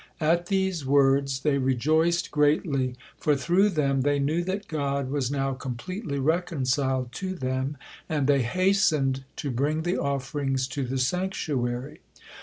At these words they rejoiced greatly, for through them they knew that God was now completely reconciled to them, and they hastened to bring the offerings to the sanctuary.